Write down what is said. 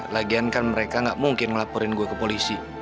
lagian kan mereka gak mungkin ngelaporin gue ke polisi